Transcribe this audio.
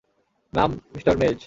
নাম মিঃ মেজ।